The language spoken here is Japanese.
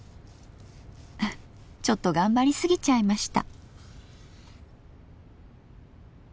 ちょっと頑張りすぎちゃいました。